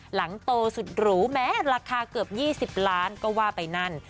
หลังโตสุดหรูแม้ราคาเกือบ๒๐ล้านก็ว่าไปนั่น